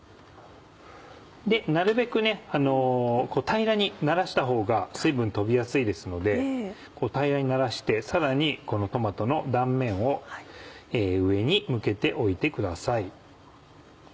なるべく平らにならしたほうが水分飛びやすいですので平らにならしてさらにこのトマトの断面を上に向けておいてください。